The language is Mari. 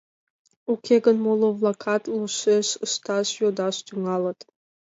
Уке гын, моло-влакат лошеш ышташ йодаш тӱҥалыт.